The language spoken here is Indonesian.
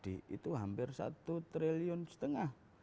itu hampir satu triliun setengah